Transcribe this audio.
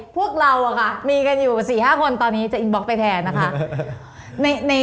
พวกเรามีกันอยู่๔๕คนตอนนี้จะอินบล็อกไปแทนนะคะ